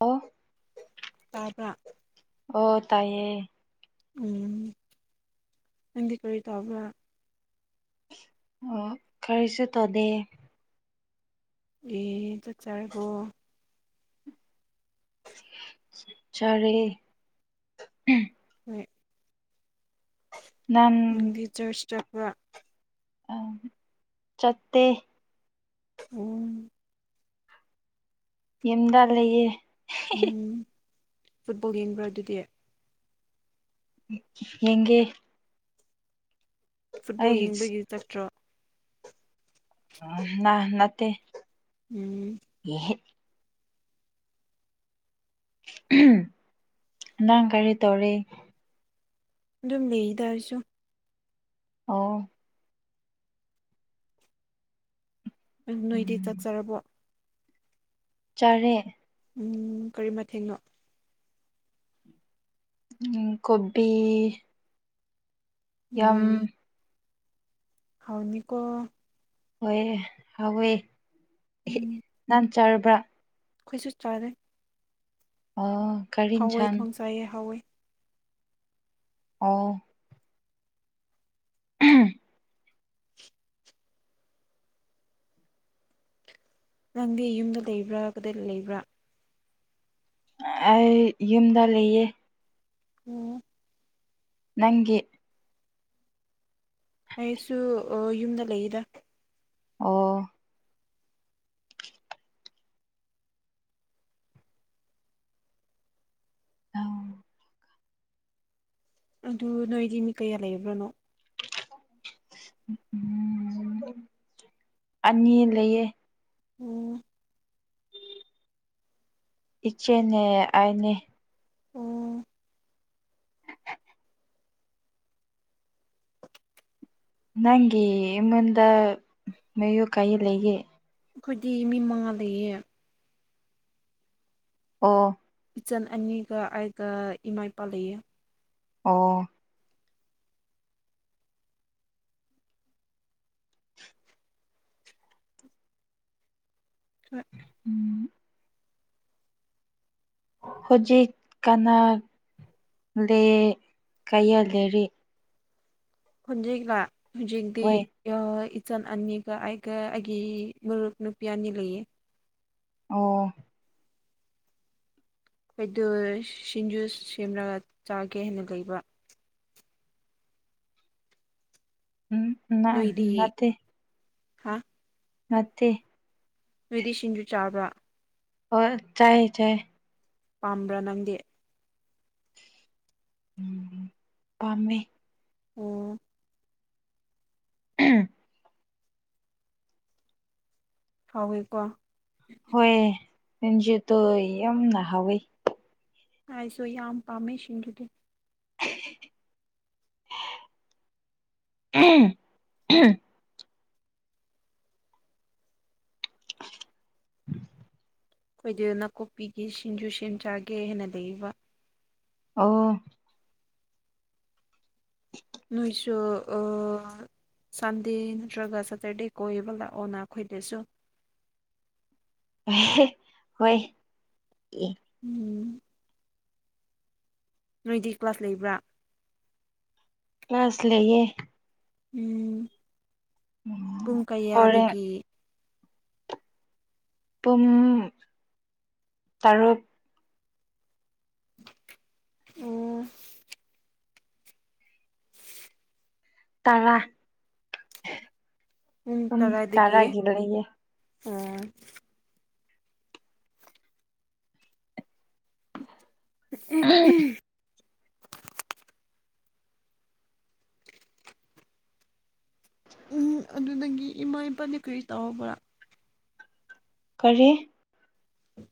ꯑꯣ ꯇꯥꯕ꯭ꯔ ꯑꯣ ꯇꯥꯏꯌꯦ ꯎꯝ ꯅꯪꯗꯤ ꯀꯔꯤ ꯇꯥꯎꯕ꯭ꯔꯥ ꯑꯣ ꯀꯔꯤꯁꯨ ꯇꯣꯗꯦ ꯑꯦ ꯆꯛ ꯆꯥꯔꯔꯕꯣ ꯆꯤꯔꯦ ꯍꯣꯏ ꯅꯥꯟ ꯅꯪꯒꯤ ꯆꯔꯁꯆ ꯆꯠꯄꯔꯥ ꯑꯍꯝ ꯆꯠꯇꯦ ꯑꯣ ꯌꯨꯝꯗꯥ ꯂꯩꯌꯦ ꯎꯝ ꯐꯨꯠꯕꯣꯜ ꯌꯦꯡꯕ꯭ꯔꯥ ꯑꯗꯨꯗꯦ ꯌꯦꯡꯒꯦ ꯐꯨꯠꯕꯣꯜ ꯑꯩ ꯌꯦꯡꯕꯒꯤ ꯆꯠꯇ꯭ꯔꯣ ꯅꯥꯏ ꯅ ꯅꯠꯇꯦ ꯎꯝ ꯌꯦꯍꯤꯠ ꯑꯝꯍꯝ ꯅꯪ ꯀꯔꯤ ꯇꯧꯔꯤ ꯑꯗꯨꯝ ꯂꯩꯏꯗ ꯑꯩꯁꯨ ꯑꯧꯋꯣ ꯎꯝ ꯅꯣꯏꯗꯤ ꯆꯛ ꯆꯔꯕꯣ ꯆꯥꯔꯦ ꯎꯝ ꯀꯔꯤ ꯃꯊꯦꯡꯅꯣ ꯎꯪ ꯀꯣꯕꯤ ꯌꯥꯝ ꯎꯝ ꯍꯥꯎꯅꯤꯀꯣ ꯍꯣꯏ ꯍꯥꯎꯋꯦ ꯍꯤ ꯅꯪ ꯆꯥꯔꯕ꯭ꯔꯥ ꯈꯨꯏꯁꯨ ꯆꯥꯔꯦ ꯑꯥ ꯀꯔꯤ ꯍꯋꯥꯏ ꯏꯟꯁꯡ ꯊꯣꯡ ꯆꯥꯏꯌꯦ ꯍꯎꯋꯤ ꯑꯥꯎ ꯑꯍꯝ ꯅꯪꯗꯤ ꯌꯨꯝꯗ ꯂꯩꯕ꯭ꯔꯥ ꯀꯗꯥꯏꯗ ꯂꯩꯕ꯭ꯔꯥ ꯑꯩ ꯌꯨꯝꯗ ꯂꯩꯌꯦ ꯑꯣ ꯅꯪꯒꯤ ꯑꯩꯁꯨ ꯑꯣ ꯌꯨꯝꯗ ꯂꯩꯌꯤꯗ ꯑꯣ ꯑꯗꯨ ꯅꯣꯏꯗꯤ ꯃꯤ ꯀꯌꯥ ꯂꯩꯔꯤꯕ꯭ꯔꯅꯣ ꯎꯝ ꯑꯅꯤ ꯂꯩꯌꯦ ꯎꯝ ꯏꯆꯦꯅꯦ ꯑꯥꯏꯅꯦ ꯑꯣ ꯅꯪꯒꯤ ꯃꯟꯗ ꯃꯌꯨ ꯀꯥꯏꯦ ꯂꯩꯒꯦ ꯑꯈꯣꯏꯗꯤ ꯃꯤ ꯃꯉꯥ ꯂꯩꯌꯦ ꯑꯣ ꯏꯆꯟ ꯑꯅꯤꯒ ꯑꯥꯢꯒ ꯏꯃꯥ ꯏꯄꯥ ꯂꯩꯌꯦ ꯑꯣ ꯍꯣꯏ ꯎꯝ ꯍꯣꯖꯤꯛ ꯀꯅꯥ ꯂꯦ ꯀꯌꯥ ꯂꯩꯔꯤ ꯈꯣꯗꯤꯛ ꯂ ꯍꯣꯖꯤꯛꯗꯤ ꯍꯣꯏ ꯏꯆꯟ ꯑꯅꯤꯒ ꯑꯩꯒ ꯑꯩꯒꯤ ꯃꯔꯨꯞ ꯅꯨꯄꯤ ꯑꯅꯤ ꯂꯩꯌꯦ ꯑꯣ ꯑꯩꯈꯣꯏꯗꯨ ꯁꯤꯡꯖꯨꯁ ꯁꯦꯝꯂꯒ ꯆꯥꯒꯦ ꯍꯥꯏꯅ ꯂꯩꯕ ꯅꯣꯏꯗꯤ ꯅꯠꯇꯦ ꯍꯥ ꯃꯇꯦ ꯏꯗꯤ ꯁꯤꯡꯖꯨ ꯆꯥꯕ꯭ꯔꯥ ꯑꯣ ꯆꯥꯏ ꯆꯥꯏ ꯄꯥꯝꯕ꯭ꯔꯥ ꯅꯪꯗꯤ ꯎꯝ ꯄꯥꯝꯃꯦ ꯑꯣ ꯎ ꯍꯥꯎꯋꯦꯀꯣ ꯍꯣꯏ ꯃꯟꯁꯨꯗꯣ ꯌꯥꯝꯅ ꯍꯥꯎꯋꯤ ꯍꯥꯏꯁꯨ ꯌꯥꯝ ꯄꯥꯝꯃꯦ ꯁꯤꯡꯗꯨꯗꯤ [unintelligible] [inaudible] [unintelligible] [inaudible] [inaudible] ꯑꯩꯈꯣꯏꯗ ꯅꯥꯀꯨꯞꯄꯤꯒꯤ ꯁꯤꯡꯖꯨ ꯁꯦꯝ ꯆꯥꯒꯦ ꯍꯥꯏꯦꯟꯅ ꯂꯩꯕ ꯑꯣ ꯎ ꯅꯣꯏꯁꯨ ꯑ ꯁꯟꯗꯦ ꯅꯠꯇ꯭ꯔꯒ ꯁꯇꯔꯗꯦ ꯀꯣꯏꯕ ꯂꯥꯛꯑꯣꯅ ꯑꯩꯈꯣꯏꯗꯁꯨ ꯍꯣꯏ ꯎꯝ ꯅꯣꯏꯗꯤ ꯀ꯭ꯂꯥꯁ ꯂꯩꯕ꯭ꯔꯥ ꯀ꯭ꯂꯥꯁ ꯂꯩꯌꯦ ꯎꯝ ꯄꯨꯡ ꯍꯣꯔꯦꯟ ꯀꯌꯥꯗꯒꯤ ꯄꯨꯡ ꯇꯔꯨꯛ ꯑꯣ ꯇꯔꯥ ꯄꯨꯡ ꯇꯔꯥꯏꯗꯒꯤ ꯇꯔꯥꯒꯤ ꯂꯩꯌꯦ ꯑꯣ ꯁꯤꯅꯤ ꯎꯝ ꯑꯗꯨꯗꯒꯤ ꯏꯃꯥ ꯏꯄꯥꯅ ꯀꯔꯤ ꯇꯧꯕ꯭ꯔꯥ ꯀꯔꯤ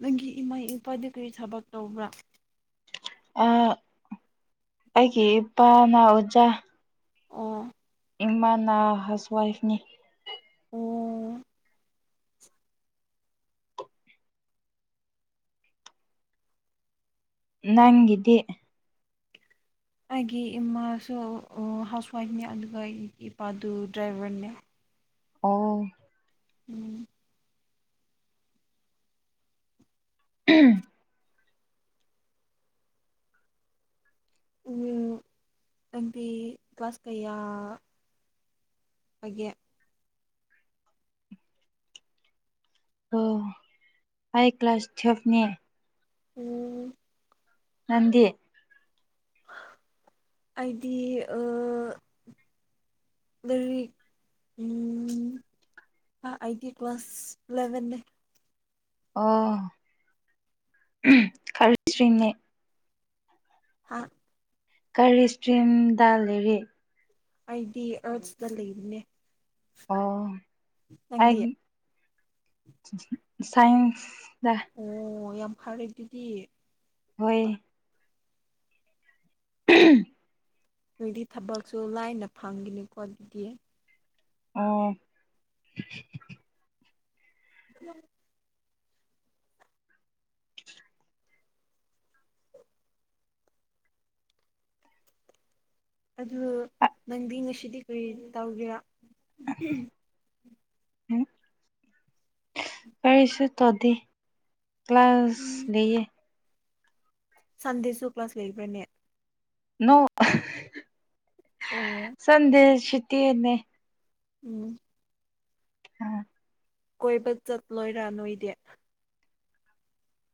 ꯅꯪꯒꯤ ꯏꯃꯥ ꯏ ꯏꯄꯥꯗꯨ ꯀꯔꯤ ꯊꯕꯛ ꯇꯧꯕ꯭ꯔꯥ ꯑꯩꯒꯤ ꯏꯄꯥꯅ ꯑꯣꯖꯥ ꯑꯣ ꯏꯃꯥꯅ ꯍꯥꯎꯁꯋꯥꯏꯐꯅꯤ ꯑꯣ ꯅꯪꯒꯤꯗꯤ ꯑꯩꯒꯤ ꯏꯃꯥꯁꯨ ꯍꯥꯎꯁ ꯋꯥꯏꯐꯅꯦ ꯑꯗꯨꯒ ꯑꯩꯒꯤ ꯏꯄꯥꯗꯨ ꯗ꯭ꯔꯥꯏꯕꯔꯅꯦ ꯑꯣ ꯎꯝ ꯎꯝ ꯑꯦꯝ ꯄꯤ ꯀ꯭ꯂꯥꯁ ꯀꯌꯥ ꯑꯩꯒꯤ ꯑꯣ ꯑꯩꯥꯏ ꯀ꯭ꯂꯥꯁ ꯇꯨꯋꯦꯜꯐꯅꯤ ꯎꯝ ꯅꯗꯤ ꯑꯩꯗꯤ ꯑ ꯎꯝ ꯑꯩꯥꯏ ꯇꯤ ꯀ꯭ꯂꯥꯁ ꯂꯂꯦꯕꯟꯅꯦ ꯑꯣ ꯈꯔꯁꯔꯤꯅꯦ ꯍꯥ ꯀꯔꯤ ꯏꯁꯇ꯭ꯔꯤꯝꯗ ꯂꯩꯔꯤ ꯑꯩꯗꯤ ꯑꯔꯠꯁꯇ ꯂꯩꯕꯅꯦ ꯑꯣ ꯑꯩ ꯅꯪꯗꯤ ꯁꯥꯏꯟꯁꯗ ꯑꯣ ꯌꯥꯝ ꯐꯔꯦ ꯑꯗꯨꯗꯤ ꯍꯣꯏ ꯎꯝ ꯑꯗꯨꯒꯤ ꯊꯕꯛꯁꯨ ꯂꯥꯏꯅ ꯐꯪꯈꯤꯅꯤꯀꯣ ꯑꯗꯨꯗꯤ ꯑꯣ ꯑꯗꯨ ꯑꯗꯨ ꯅꯪꯗꯤ ꯉꯁꯤꯗꯤ ꯀꯔꯤ ꯇꯧꯒꯦ ꯄꯁ ꯇꯗꯤ ꯀ꯭ꯂꯥꯁ ꯎꯝ ꯂꯩꯌꯦ ꯁꯟꯗꯦꯁꯨ ꯀ꯭ꯂꯥꯁ ꯂꯩꯕ꯭ꯔꯅꯦ ꯅꯣ ꯑꯣ ꯁꯗꯦꯁꯤꯇꯤꯟꯅ ꯎꯝ ꯑ ꯀꯣꯏꯕ ꯆꯠꯂꯣꯏꯔꯥ ꯅꯣꯏꯗꯤ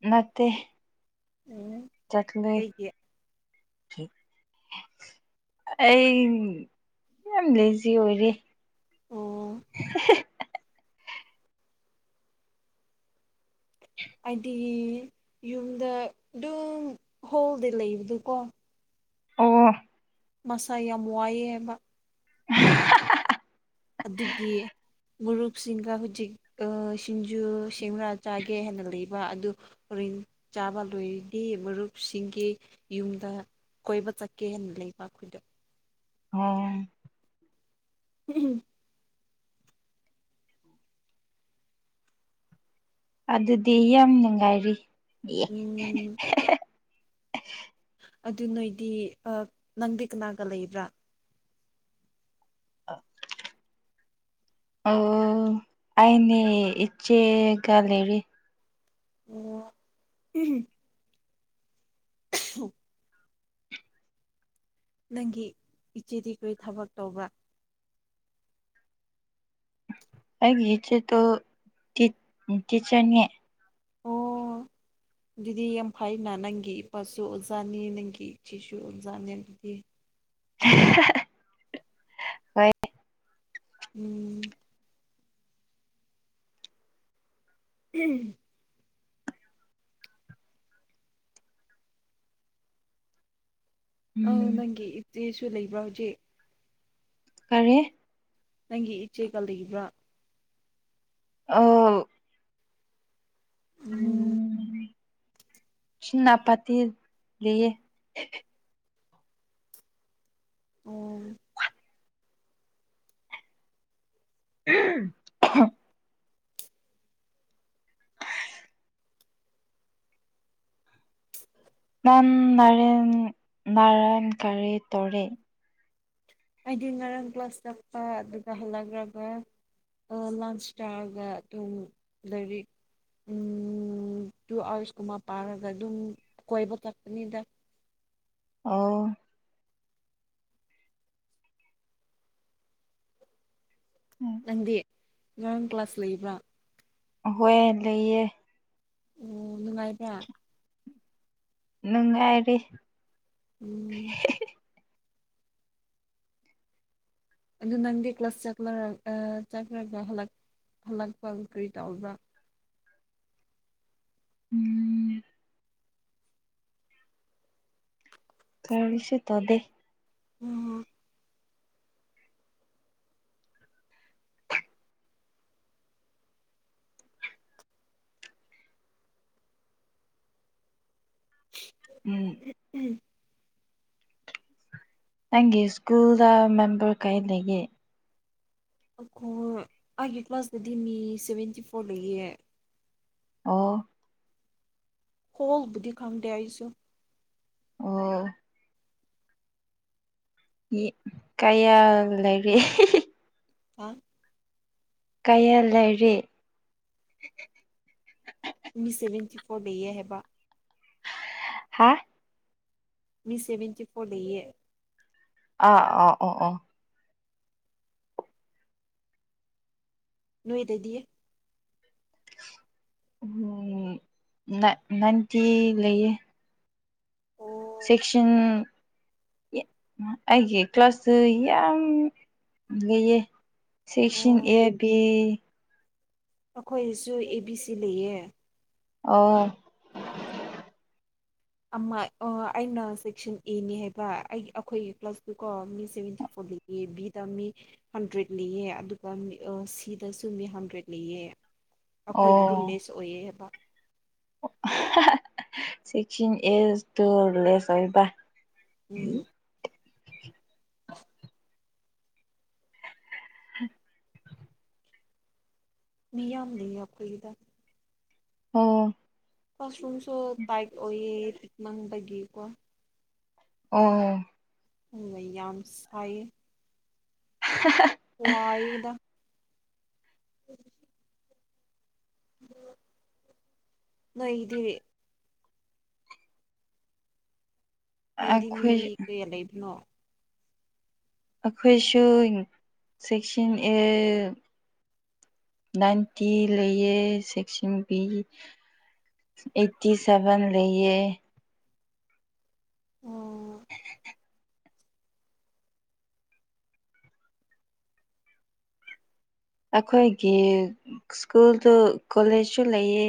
ꯅꯠꯇꯦ ꯎꯝ ꯆꯠꯅꯤ ꯀꯩꯒꯤ ꯑꯩ ꯌꯥꯝ ꯂꯤꯖꯤ ꯑꯣꯏꯔꯤ ꯑꯣ ꯍꯥꯏꯗꯤ ꯌꯨꯝꯗ ꯑꯗꯨꯝ ꯍꯣꯜꯗ ꯂꯩꯕꯗꯣꯀꯣ ꯑꯣ ꯃꯁꯥ ꯌꯥꯝ ꯋꯥꯏꯑꯦ ꯍꯥꯏꯕ [unintelligible] ꯑꯗꯨꯒꯤ ꯃꯨꯔꯨꯞꯁꯤꯡꯒ ꯍꯧꯖꯤꯛ ꯁꯤꯡꯖꯨ ꯁꯦꯡꯃꯔꯥ ꯆꯥꯒꯦ ꯍꯥꯏꯟꯅ ꯂꯩꯕ ꯑꯗꯨ ꯍꯔꯤꯟ ꯆꯥꯕ ꯂꯣꯏꯗꯤ ꯃꯔꯨꯞꯁꯤꯡꯒꯤ ꯌꯨꯝꯗ ꯀꯣꯏꯕ ꯆꯠꯀꯦ ꯍꯥꯏꯅ ꯂꯩꯕ ꯑꯩꯈꯣꯏꯗ ꯑꯣ ꯎꯝ ꯑꯗꯨꯗꯤ ꯌꯥꯝ ꯅꯨꯡꯉꯥꯏꯔꯤ ꯎꯝ ꯑꯗꯨ ꯅꯣꯏꯗꯤ ꯅꯪꯗꯤ ꯀꯅꯥꯒ ꯂꯩꯕ꯭ꯔꯥ ꯑ ꯑꯣ ꯑꯩꯅꯦ ꯏꯆꯦꯒ ꯂꯩꯔꯤ ꯑꯣ [unintelligible] ꯎ [unintelligible] ꯅꯪꯒꯤ ꯏꯆꯦꯗꯤ ꯀꯔꯤ ꯊꯕꯛ ꯇꯧꯕ ꯑꯩꯒꯤ ꯏꯆ‌ꯦꯗ‌ꯣ ꯇꯤꯠ ꯇꯤꯆꯔꯅꯤ ꯑꯣ ꯑꯗꯨꯗꯤ ꯌꯥꯝ ꯐꯩꯅ ꯅꯪꯒꯤ ꯏꯄꯥꯁꯨ ꯑꯣꯖꯥꯅꯤ ꯅꯪꯒꯤ ꯏꯆꯦꯁꯨ ꯑꯣꯖꯥꯅꯤ ꯑꯗꯨꯗꯤ [unintelligible] ꯍꯣꯏ ꯎꯝ ꯎꯝ ꯑꯎ ꯎꯝ ꯅꯪꯒꯤ ꯏꯆꯦꯁꯨ ꯂꯩꯕ꯭ꯔꯣ ꯍꯧꯖꯤꯛ ꯀꯥꯔꯦ ꯅꯪꯒꯤ ꯏꯆꯦꯒ ꯂꯩꯕ꯭ꯔꯥ ꯑꯝꯝ ꯎꯝ ꯁꯤꯟꯅ ꯄꯇꯤ ꯂꯩꯌꯦ ꯑꯣ ꯎꯝꯝ [unintelligible] ꯅꯪ ꯅꯔꯦꯟ ꯅꯔꯟ ꯀꯔꯤ ꯇꯧꯔ‌ꯦ ꯍꯥꯏꯗꯤ ꯉꯔꯥꯡ ꯀ꯭ꯂꯥꯁ ꯆꯠꯄ ꯑꯗꯨꯒ ꯍꯜꯂꯛꯈ꯭ꯔꯒ ꯂꯥꯟꯁ ꯇꯥꯔꯒ ꯑꯗꯨꯝ ꯂꯥꯏꯔꯤꯛ ꯇꯨ ꯑꯥꯋꯥꯔꯁꯀꯨꯝꯕ ꯄꯥꯔꯒ ꯑꯗꯨꯝ ꯀꯣꯏꯕ ꯆꯠꯄꯅꯤꯗ ꯑꯎ ꯅꯪꯗꯤ ꯉꯔꯥꯡ ꯀ꯭ꯂꯥꯁ ꯂꯩꯕ꯭ꯔꯥ ꯍꯣꯏ ꯂꯩꯌꯦ ꯎꯝ ꯅꯨꯡꯉꯥꯏꯗꯦ ꯅꯨꯡꯉꯥꯏꯔꯤ ꯎꯝ ꯑꯗꯨ ꯅꯪꯒꯤ ꯀ꯭ꯂꯥꯁ ꯆꯛꯂꯔꯒ ꯆꯠꯈꯔꯒ ꯍꯜꯂꯛ ꯍꯜꯂꯛꯄ ꯀꯔꯤ ꯇꯕ꯭ꯔꯥ ꯎꯝ ꯀꯔꯤꯁꯨ ꯇꯧꯗ‌ꯦ ꯎꯝ ꯍꯝ [unintelligible] ꯎꯝ [unintelligible] ꯅꯪꯒꯤ ꯁ꯭ꯀꯨꯜ ꯗ ꯃꯦꯝꯕꯔ ꯀꯩ ꯂꯩꯒ‌ꯦ ꯑꯩꯈꯧꯏ ꯑꯩꯒꯤ ꯀ꯭ꯂꯥꯁꯇꯗꯤ ꯃꯤ ꯁꯚꯦꯟꯇꯤ ꯐꯣꯔ ꯂꯩꯌꯦ ꯑꯣ ꯍꯣꯜꯕꯨꯗꯤ ꯈꯪꯗꯦ ꯑꯩꯁꯨ ꯑꯣ ꯀꯌꯥ ꯂꯩꯔꯤ [unintelligible] ꯍ ꯀꯌꯥ ꯂꯩꯔꯤ ꯃꯤ ꯁꯦꯚꯦꯟꯇꯤ ꯐꯣꯔ ꯂꯩꯌꯦ ꯍꯥꯏꯕ ꯍꯥ ꯃꯤ ꯁꯦꯚꯦꯟꯇꯤ ꯐꯣꯔ ꯂꯩꯌꯦ ꯑꯥ ꯑ ꯑꯣ ꯑꯣ ꯅꯣꯏꯗꯗꯤ ꯅꯥꯏꯟꯇꯤ ꯂꯩꯌꯦ ꯑꯣ ꯆ‌ꯦꯛꯁꯤꯟ ꯑꯩꯒꯤ ꯀ꯭ꯂꯥꯁꯇ ꯌꯥꯝ ꯂꯩꯌꯦ ꯁ‌ꯦꯛꯁꯥꯟ ꯑꯣ ꯑꯦ ꯕꯤ ꯑꯩꯈꯣꯏꯁꯨ ꯑꯦ ꯕꯤ ꯁꯤ ꯂꯩꯌꯦ ꯑꯣ ꯑꯃ ꯑꯣ ꯑꯩꯅ ꯁꯦꯛꯁꯟ ꯑꯦꯅꯤ ꯍꯥꯏꯕ ꯑꯩ ꯑꯩꯈꯣꯏ ꯄ꯭ꯂꯥꯁꯇ‌ꯣꯀꯣ ꯃꯤ ꯁꯚꯦꯟꯇꯤ ꯐꯣꯔ ꯂꯩ ꯑꯦ ꯕꯤ ꯇꯝꯃꯤ ꯍꯟꯗ꯭ꯔꯦꯗ ꯂꯩꯌ‌ꯦ ꯑꯗꯨꯒ ꯁꯤꯗꯁꯨ ꯃꯤ ꯍꯟꯗ꯭ꯔꯦꯠ ꯂꯩꯌ‌ꯦ ꯑꯩꯈꯣꯏꯒꯤꯗꯨ ꯂꯦꯁ ꯑꯣꯏꯌꯦ ꯍꯥꯏꯕ ꯁ‌ꯦꯛꯁꯟ ꯑꯦ ꯁꯨ ꯂꯦꯁ ꯑꯣꯏꯕ ꯎꯝ [unintelligible] ꯃꯤꯌꯥꯝ ꯂ‌ꯩꯌ‌ꯦ ꯑꯩꯈꯣꯏꯒꯤꯗ ꯑꯣ ꯀ꯭ꯂꯥꯁꯔꯨꯝꯁꯨ ꯇꯥꯏꯛ ꯑꯣꯏꯌꯦ ꯄꯤꯛꯃꯟꯕꯒꯤꯀꯣ ꯑꯣ ꯑꯗꯨꯒ ꯌꯥꯝ ꯁꯥꯏꯌ‌ꯦ [unintelligible] ꯋꯥꯏꯌ‌ꯦꯗ [unintelligible] ꯅꯣꯏꯒꯤꯗꯤ ꯅꯣꯏꯗꯤ ꯃꯤ ꯑꯩꯈꯣꯏ ꯀꯌꯥ ꯂꯩꯕꯅꯣ ꯑꯩꯈꯣꯏꯁꯨ ꯁ‌ꯦꯛꯁꯟ ꯑꯦ ꯅꯥꯏꯟꯇꯤ ꯂꯩꯌꯦ ꯁꯦꯛꯁꯟ ꯕꯤ ꯑꯩꯠꯇꯤ ꯁꯦꯚ‌ꯦꯟ ꯂꯩꯌꯦ ꯑꯣ ꯑꯩꯈꯣꯏꯒꯤ ꯁ꯭ꯀꯨꯜꯗꯨ ꯀꯣꯂꯦꯖꯁꯨ ꯂꯩꯌꯦ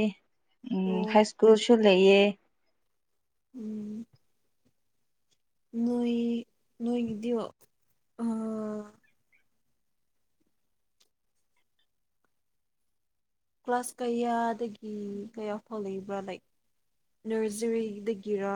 ꯎꯝ ꯑꯣ ꯍꯥꯏ ꯁ꯭ꯀꯨꯜꯁꯨ ꯂꯩꯌꯦ ꯎꯝ ꯅꯣꯏ ꯅꯣꯏꯒꯤꯗ‌ꯣ ꯑꯥ ꯀ꯭ꯂꯥꯁ ꯀꯌꯥꯗꯒꯤ ꯀꯌꯥ ꯐꯪꯥꯎ ꯂꯩꯕ꯭ꯔꯥ ꯂꯥꯏꯛ ꯅꯔꯖꯔꯤꯗꯒꯤꯔ